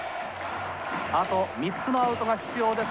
あと３つのアウトが必要です